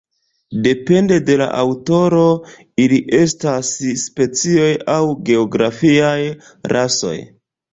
Depende de la aŭtoro ili estas specioj aŭ geografiaj rasoj.